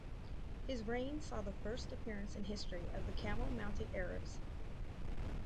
His reign saw the first appearance in history of the camel-mounted Arabs.